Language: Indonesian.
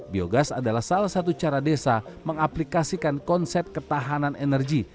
biogas adalah salah satu cara desa mengaplikasikan konsep ketahanan energi